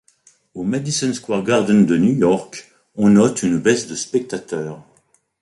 Au Madison Square Garden de New York, on note une baisse de spectateurs.